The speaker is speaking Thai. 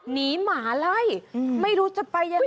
หมาไล่ไม่รู้จะไปยังไง